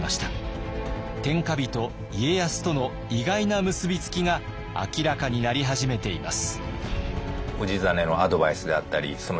天下人家康との意外な結び付きが明らかになり始めています。